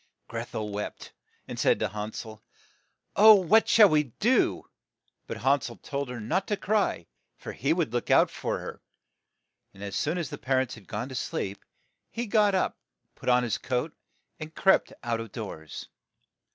Greth el wept, and said to Han sel, "Oh, what shall we do?" But Han sel told her not to cry, for he would look out for her. And as soon as their par ents had gone to sleep, he got up, put on his coat, and crept out of doors.